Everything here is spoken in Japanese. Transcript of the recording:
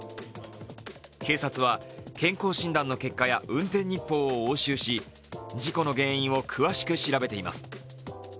警察は健康診断の結果や運転日報を押収し、事故の原因を詳しく調べています。